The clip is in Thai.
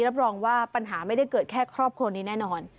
รับรองว่าปัญหาไม่ได้เกิดแค่ครอบครัวนี้แน่นอน